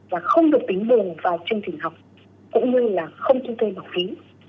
và không được tính bùn vào chương trình học cũng như là không thu thêm học phí